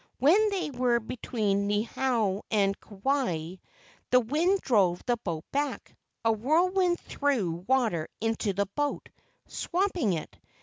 When they were between Niihau and Kauai, the wind drove the boat back. A whirlwind threw water into the boat, swamping it.